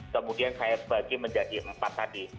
kemudian saya bagi menjadi empat tadi